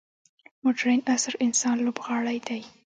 مډرن عصر انسان لوبغاړی دی.